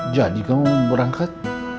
jadi kamu mau berangkat